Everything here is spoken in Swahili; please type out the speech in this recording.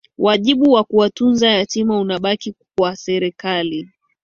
wajibu wa kuwatunza yatima unabaki kwa serikali